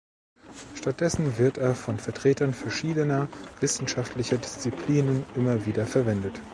Stattdessen wird er von Vertretern verschiedener wissenschaftlicher Disziplinen immer wieder verwendet.